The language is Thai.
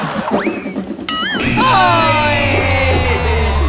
เช็คให้ถูกต้องว่าถูกต้อง